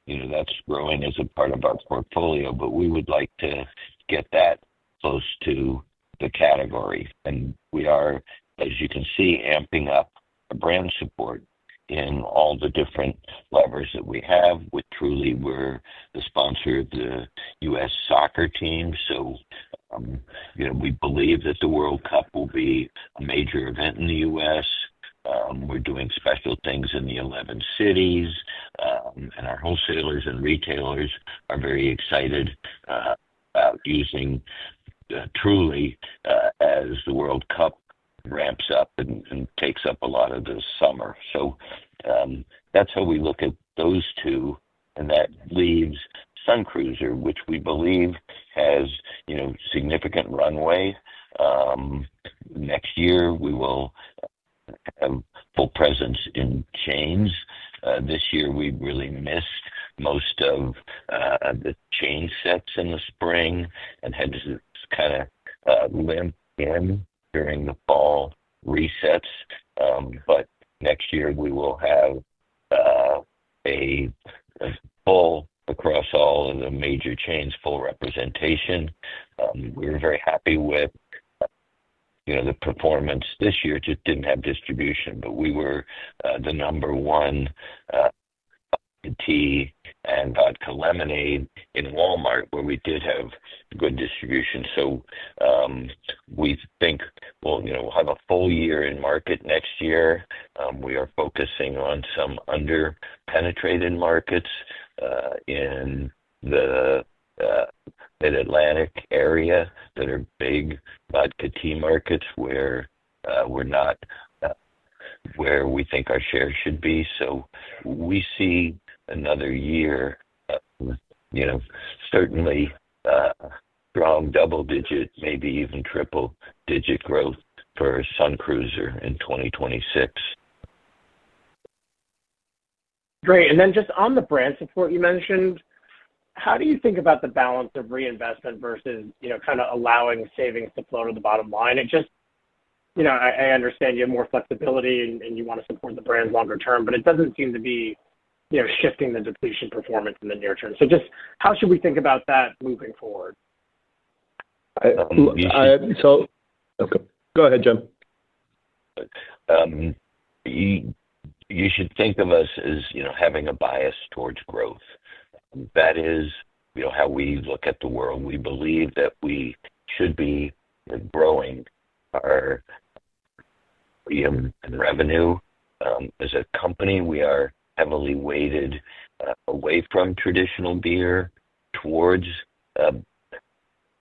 Speaker 3: That's growing as a part of our portfolio, but we would like to get that close to the category. We are, as you can see, amping up the brand support in all the different levers that we have. With Truly, we're the sponsor of the U.S. Soccer team. We believe that the World Cup will be a major event in the United States. We're doing special things in the 11 cities, and our wholesalers and retailers are very excited about using Truly as the World Cup ramps up and takes up a lot of the summer. That's how we look at those two. That leaves Sun Cruiser, which we believe has significant runway. Next year, we will have full presence in chains. This year, we really missed most of the chain sets in the spring and had to kind of limp in during the fall resets. Next year, we will have a full across all of the major chains, full representation. We were very happy with the performance this year. It just didn't have distribution, but we were the number one Tea and Vodka Lemonade in Walmart, where we did have good distribution. We think we'll have a full year in market next year. We are focusing on some under-penetrated markets in the Mid-Atlantic area that are big Vodka Tea markets where we think our share should be. We see another year, certainly strong double-digit, maybe even triple-digit growth for Sun Cruiser in 2026.
Speaker 7: Great. On the brand support you mentioned, how do you think about the balance of reinvestment versus, you know, kind of allowing savings to flow to the bottom line? I understand you have more flexibility and you want to support the brand longer term, but it doesn't seem to be shifting the depletion performance in the near term. How should we think about that moving forward?
Speaker 4: Go ahead, Jim.
Speaker 3: You should think of us as having a bias towards growth. That is how we look at the world. We believe that we should be growing our revenue. As a company, we are heavily weighted away from traditional beer towards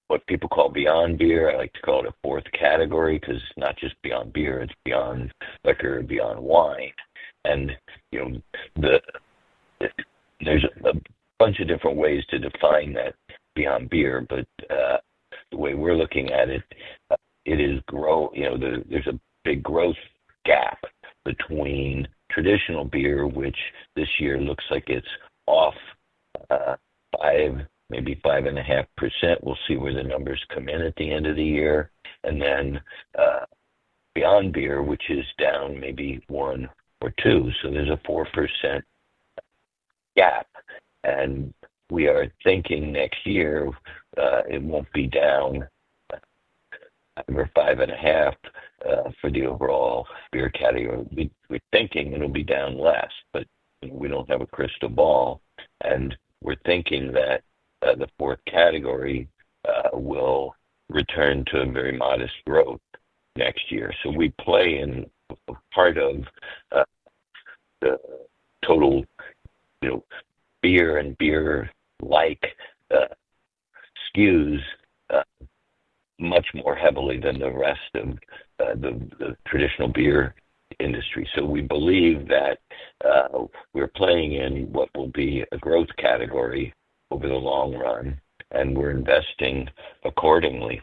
Speaker 3: what people call Beyond Beer. I like to call it a Fourth Category because it's not just Beyond Beer. It's beyond liquor, beyond wine. There are a bunch of different ways to define that Beyond Beer, but the way we're looking at it, it is growth. There's a big growth gap between traditional beer, which this year looks like it's off 5%, maybe 5.5%. We'll see where the numbers come in at the end of the year. Beyond Beer is down maybe 1% or 2%, so there's a 4% gap. We are thinking next year, it won't be down 5% or 5.5% for the overall beer category. We're thinking it'll be down less, but we don't have a crystal ball. We're thinking that the Fourth Category will return to a very modest growth next year. We play in a part of the total beer and beer-like skews, much more heavily than the rest of the traditional beer industry. We believe that we're playing in what will be a growth category over the long run, and we're investing accordingly.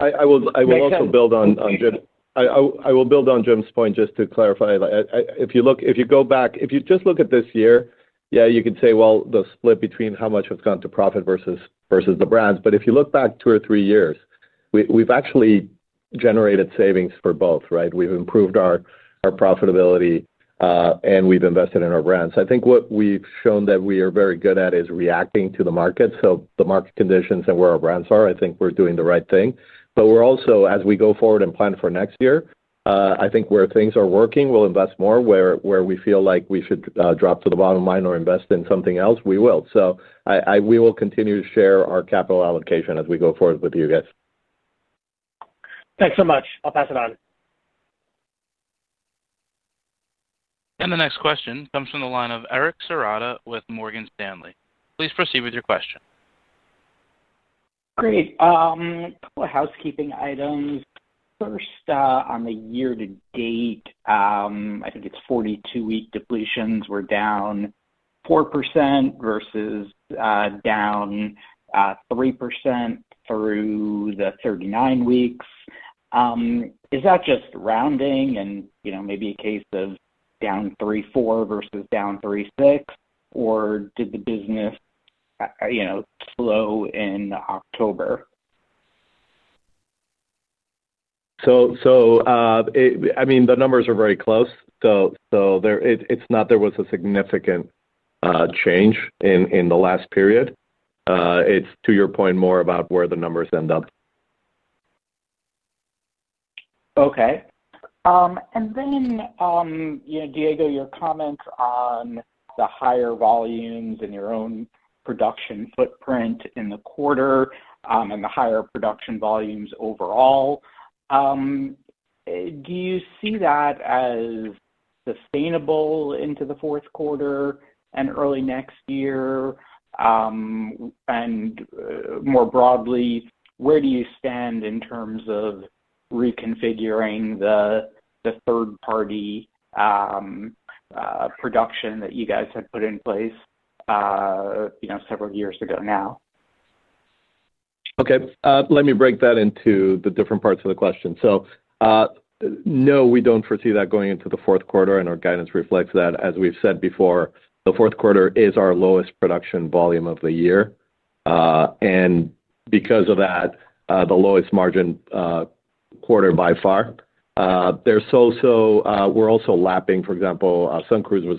Speaker 4: I will also build on Jim's point just to clarify. If you look, if you go back, if you just look at this year, you could say the split between how much has gone to profit versus the brands. If you look back two or three years, we've actually generated savings for both, right? We've improved our profitability, and we've invested in our brands. I think what we've shown that we are very good at is reacting to the market. The market conditions and where our brands are, I think we're doing the right thing. As we go forward and plan for next year, I think where things are working, we'll invest more. Where we feel like we should drop to the bottom line or invest in something else, we will. We will continue to share our capital allocation as we go forward with you guys.
Speaker 7: Thanks so much. I'll pass it on.
Speaker 1: The next question comes from the line of Eric Serotta with Morgan Stanley. Please proceed with your question.
Speaker 8: Great. A couple of housekeeping items. First, on the year-to-date, I think it's 42-week depletions. We're down 4% versus down 3% through the 39 weeks. Is that just rounding and, you know, maybe a case of down 3.4% versus down 3.6%? Or did the business, you know, slow in October?
Speaker 4: I mean, the numbers are very close. There was not a significant change in the last period. It's, to your point, more about where the numbers end up.
Speaker 8: Okay, Diego, your comments on the higher volumes and your own production footprint in the quarter, and the higher production volumes overall. Do you see that as sustainable into the fourth quarter and early next year? More broadly, where do you stand in terms of reconfiguring the third-party production that you guys had put in place several years ago now?
Speaker 4: Okay. Let me break that into the different parts of the question. No, we don't foresee that going into the fourth quarter, and our guidance reflects that. As we've said before, the fourth quarter is our lowest production volume of the year, and because of that, the lowest margin quarter by far. We're also lapping, for example, Sun Cruiser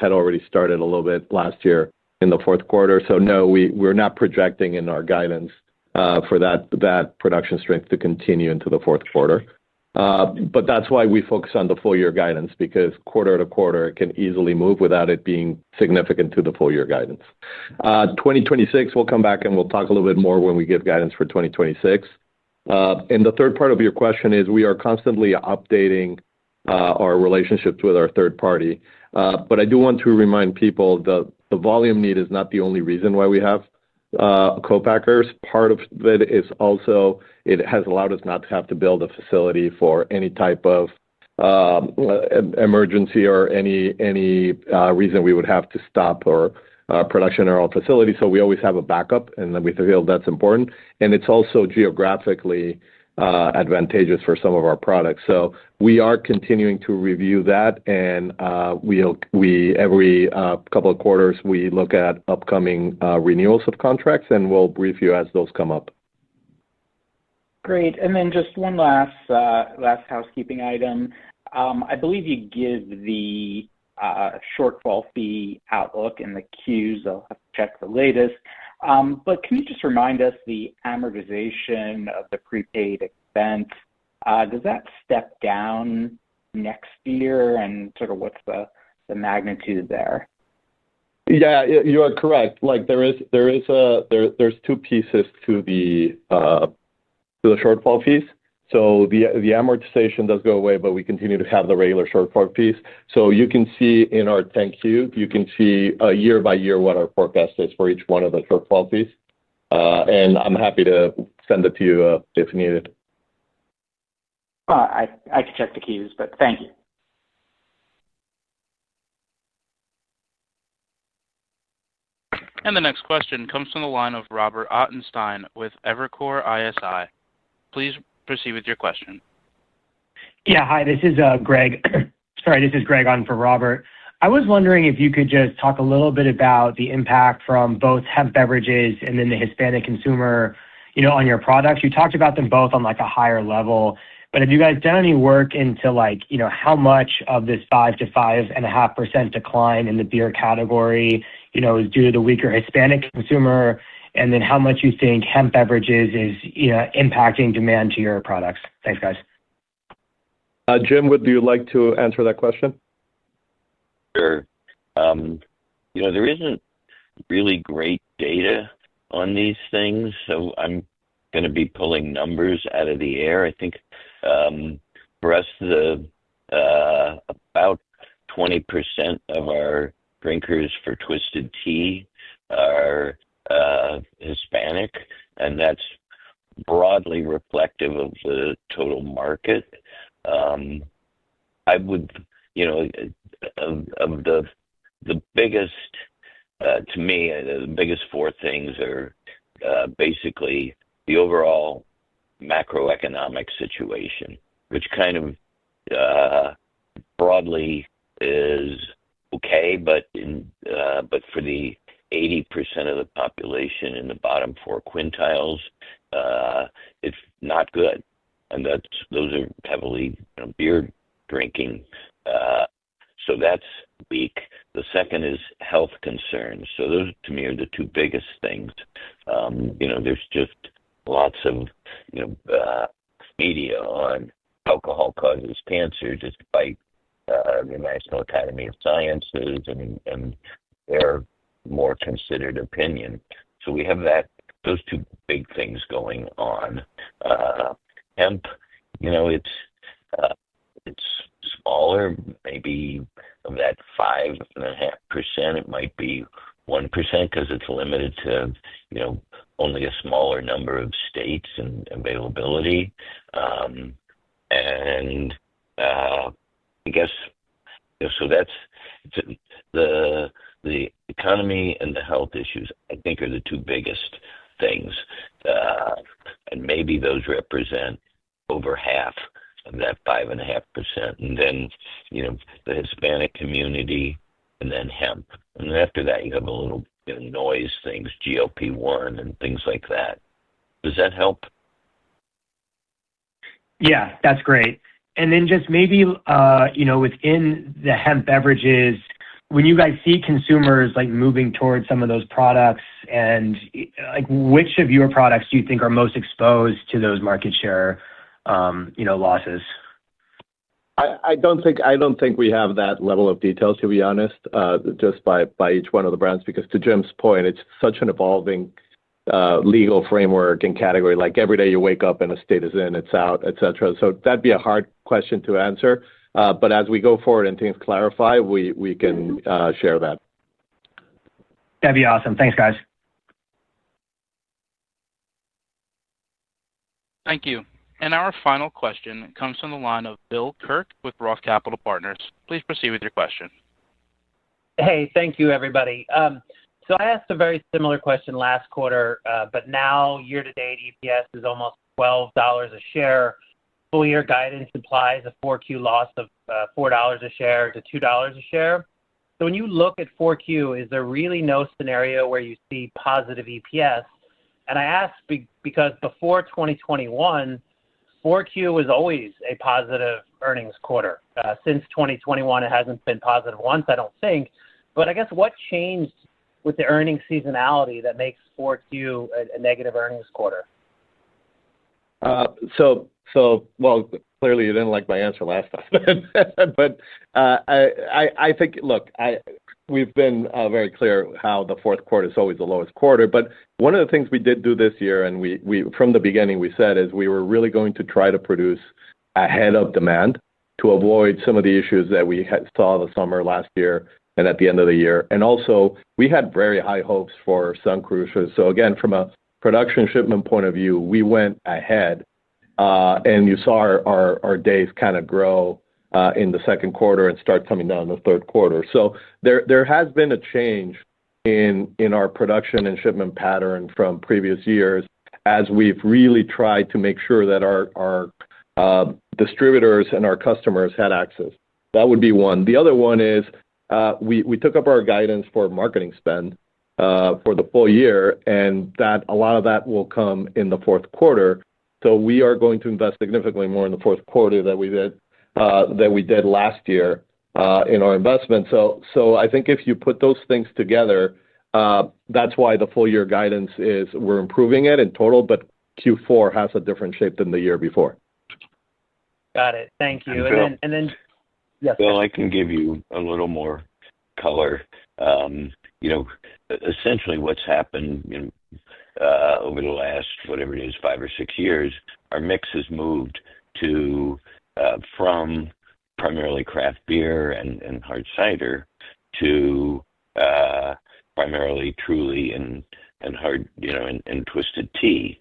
Speaker 4: had already started a little bit last year in the fourth quarter. No, we're not projecting in our guidance for that production strength to continue into the fourth quarter. That's why we focus on the full-year guidance because quarter to quarter, it can easily move without it being significant to the full-year guidance. 2026, we'll come back and we'll talk a little bit more when we give guidance for 2026. The third part of your question is we are constantly updating our relationships with our third party. I do want to remind people that the volume need is not the only reason why we have co-packers. Part of it is also it has allowed us not to have to build a facility for any type of emergency or any reason we would have to stop our production or our facility. We always have a backup, and we feel that's important. It's also geographically advantageous for some of our products. We are continuing to review that, and every couple of quarters, we look at upcoming renewals of contracts, and we'll brief you as those come up.
Speaker 8: Great. Just one last housekeeping item. I believe you give the shortfall fee outlook in the queues. I'll have to check the latest. Can you just remind us the amortization of the prepaid expense? Does that step down next year, and what's the magnitude there?
Speaker 4: Yeah, you are correct. There is two pieces to the shortfall fees. The amortization does go away, but we continue to have the regular shortfall fees. You can see in our 10-Q, you can see year by year what our forecast is for each one of the shortfall fees. I'm happy to send it to you if needed.
Speaker 8: I can check the Q's, thank you.
Speaker 1: The next question comes from the line of Robert Ottenstein with Evercore ISI. Please proceed with your question.
Speaker 9: Hi. This is Greg on for Robert. I was wondering if you could just talk a little bit about the impact from both hemp beverages and then the Hispanic consumer on your products. You talked about them both on a higher level, but have you guys done any work into how much of this 5%-5.5% decline in the beer category is due to the weaker Hispanic consumer? How much do you think hemp beverages are impacting demand to your products? Thanks, guys.
Speaker 4: Jim, would you like to answer that question?
Speaker 3: Sure. You know, there isn't really great data on these things, so I'm going to be pulling numbers out of the air. I think, for us, about 20% of our drinkers for Twisted Tea are Hispanic, and that's broadly reflective of the total market. I would, you know, of the biggest, to me, the biggest four things are basically the overall macroeconomic situation, which kind of broadly is okay, but for the 80% of the population in the bottom four quintiles, it's not good. Those are heavily, you know, beer drinking, so that's weak. The second is health concerns. Those, to me, are the two biggest things. You know, there's just lots of media on alcohol causes cancer just by the National Academy of Sciences and their more considered opinion. We have those two big things going on. Hemp, you know, it's smaller. Maybe of that 5.5%, it might be 1% because it's limited to only a smaller number of states and availability. I guess, you know, so that's, it's the economy and the health issues, I think, are the two biggest things. Maybe those represent over half of that 5.5%. Then, you know, the Hispanic community and then hemp. After that, you have a little bit of noise things, GOP one, and things like that. Does that help?
Speaker 10: Yeah, that's great. Just maybe, you know, within the hemp beverages, when you guys see consumers moving towards some of those products, which of your products do you think are most exposed to those market share losses?
Speaker 4: I don't think we have that level of detail, to be honest, just by each one of the brands because to Jim's point, it's such an evolving, legal framework and category. Every day you wake up and a state is in, it's out, etc. That'd be a hard question to answer. As we go forward and things clarify, we can share that.
Speaker 10: That'd be awesome. Thanks, guys.
Speaker 1: Thank you. Our final question comes from the line of Bill Kirk with Roth Capital Partners. Please proceed with your question.
Speaker 11: Hey, thank you, everybody. I asked a very similar question last quarter, but now year-to-date EPS is almost $12 a share. Full-year guidance implies a 4Q loss of $4 a share to $2 a share. When you look at 4Q, is there really no scenario where you see positive EPS? I ask because before 2021, 4Q was always a positive earnings quarter. Since 2021, it hasn't been positive once, I don't think. I guess what changed with the earnings seasonality that makes 4Q a negative earnings quarter?
Speaker 4: Clearly, you didn't like my answer last time. I think, look, we've been very clear how the fourth quarter is always the lowest quarter. One of the things we did do this year, and we, from the beginning, we said is we were really going to try to produce ahead of demand to avoid some of the issues that we saw the summer last year and at the end of the year. We also had very high hopes for Sun Cruiser. Again, from a production shipment point of view, we went ahead, and you saw our days kind of grow in the second quarter and start coming down in the third quarter. There has been a change in our production and shipment pattern from previous years as we've really tried to make sure that our distributors and our customers had access. That would be one. The other one is, we took up our guidance for marketing spend for the full year, and a lot of that will come in the fourth quarter. We are going to invest significantly more in the fourth quarter than we did last year in our investment. I think if you put those things together, that's why the full-year guidance is we're improving it in total, but Q4 has a different shape than the year before.
Speaker 11: Got it. Thank you. Yes.
Speaker 3: I can give you a little more color. Essentially, what's happened over the last, whatever it is, five or six years, our mix has moved from primarily craft beer and hard cider to primarily Truly and hard, you know, and Twisted Tea.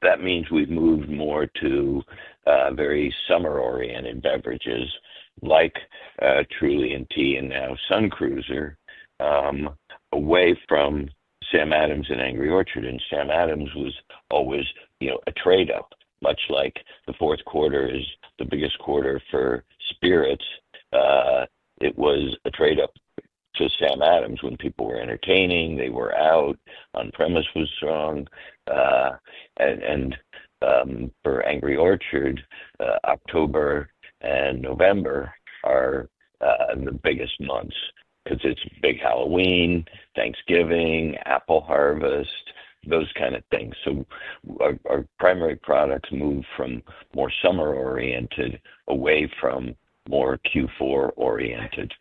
Speaker 3: That means we've moved more to very summer-oriented beverages like Truly and Tea and now Sun Cruiser, away from Sam Adams and Angry Orchard. Sam Adams was always a trade-up, much like the fourth quarter is the biggest quarter for spirits. It was a trade-up to Sam Adams when people were entertaining, they were out, on-premise was strong. For Angry Orchard, October and November are the biggest months because it's big Halloween, Thanksgiving, apple harvest, those kind of things. Our primary products move from more summer-oriented away from more Q4-oriented.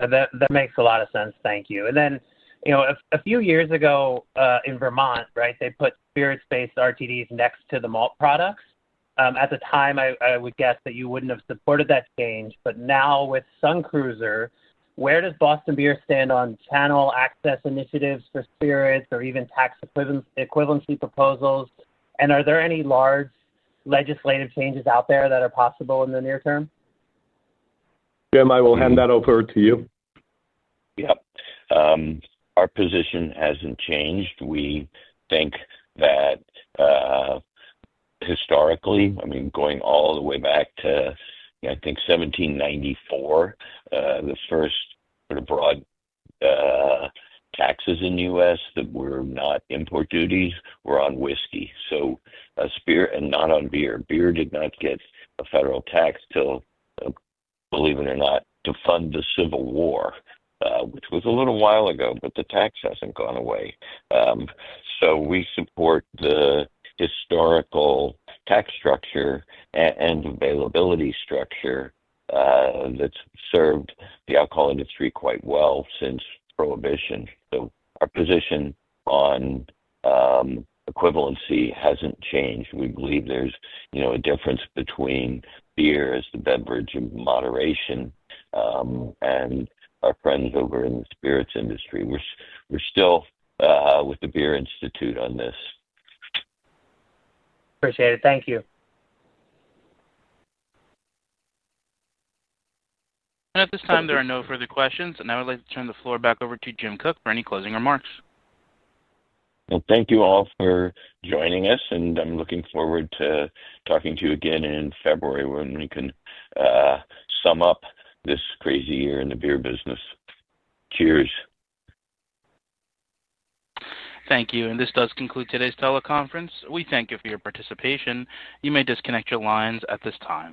Speaker 11: That makes a lot of sense. Thank you. A few years ago, in Vermont, they put spirits-based RTDs next to the malt products. At the time, I would guess that you wouldn't have supported that change. Now with Sun Cruiser, where does Boston Beer stand on channel access initiatives for spirits or even tax equivalency proposals? Are there any large legislative changes out there that are possible in the near term?
Speaker 4: Jim, I will hand that over to you.
Speaker 3: Yeah. Our position hasn't changed. We think that, historically, I mean, going all the way back to, I think, 1794, the first sort of broad taxes in the U.S. that were not import duties were on whiskey, and not on beer. Beer did not get a federal tax till, believe it or not, to fund the Civil War, which was a little while ago, but the tax hasn't gone away. We support the historical tax structure and availability structure that's served the alcohol industry quite well since Prohibition. Our position on equivalency hasn't changed. We believe there's a difference between beer as the beverage in moderation and our friends over in the spirits industry. We're still with the Beer Institute on this.
Speaker 11: Appreciate it. Thank you.
Speaker 1: At this time, there are no further questions. I would like to turn the floor back over to Jim Koch for any closing remarks.
Speaker 3: Thank you all for joining us. I'm looking forward to talking to you again in February when we can sum up this crazy year in the beer business. Cheers.
Speaker 1: Thank you. This does conclude today's teleconference. We thank you for your participation. You may disconnect your lines at this time.